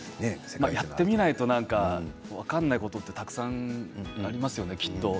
やってみないと分からないことはたくさんありますよね、きっと。